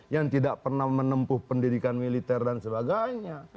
yang tidak pernah menempuh pendidikan militer dan sebagainya